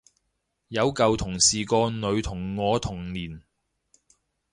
有舊同事個女同我同年